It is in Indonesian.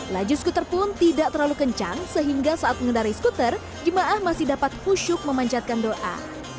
laju skuter pun tidak terlalu kencang sehingga saat mengendari skuter jemaah masih dapat kusyuk memanjatkan doa